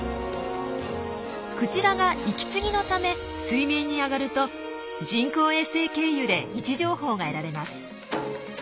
クジラが息継ぎのため水面に上がると人工衛星経由で位置情報が得られます。